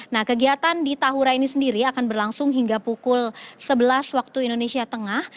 nah kegiatan di tahura ini sendiri akan berlangsung hingga pukul sebelas waktu indonesia tengah